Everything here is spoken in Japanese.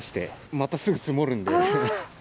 またすぐ積もるんで。